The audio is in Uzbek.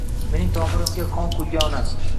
Mening tomirimga qon quigan onam